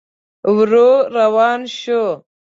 ورو روان شو.